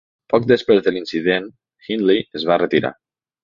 Poc després de l'incident, Hindley es va retirar.